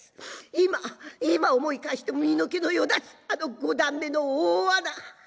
今今思い返しても身の毛のよだつあの『五段目』の大穴。